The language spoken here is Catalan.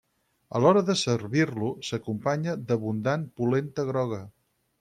A l'hora de servir-lo s'acompanya d'abundant polenta groga.